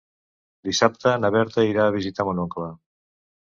Dissabte na Berta irà a visitar mon oncle.